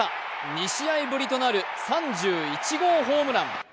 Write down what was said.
２試合ぶりとなる３１号ホームラン。